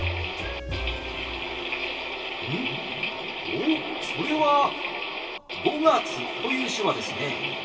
おおそれは「５月」という手話ですね。